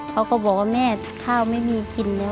เขาก็บอกว่าแม่ข้าวไม่มีกินเลย